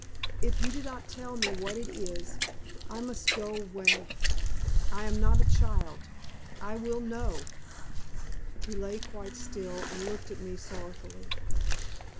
If you do not tell me what it is I must go away. I am not a child I will know!" He lay quite still and looked at me sorrowfully.